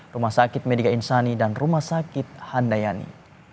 rumah sakit medika insani dan rumah sakit handayani